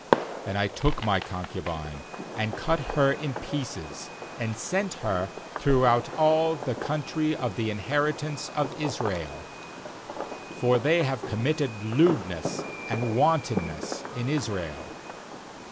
6And I took my concu bine, and cut her in pieces, and sent her throughout all the country of the inheritance of Israel; for they have committed lewdness and wantonness in Israel.